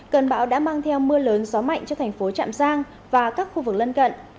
cơn bão đã mang theo mưa lớn gió mạnh cho thành phố trạm giang và các khu vực lân cận